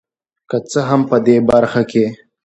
که څه هم په دې برخه کې